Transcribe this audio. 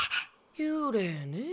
幽霊ねぇ。